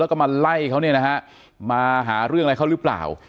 แล้วก็มาไล่เขาเนี่ยนะฮะมาหาเรื่องอะไรเขาหรือเปล่า